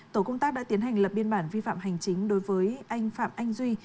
tổ công tác đã tiến hành lập biên bản vi phạm hành chính đối với anh phạm anh duy